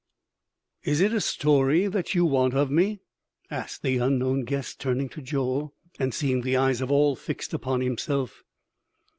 "Is it a story that you want of me?" asked the unknown guest turning to Joel, and seeing the eyes of all fixed upon himself.